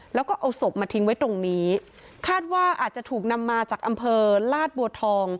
แล้วก็เอาศพมาทิ้งไว้ตรงนี้คาดว่าอาจจะถูกนำมาจากอำเภอลาดบัวทอง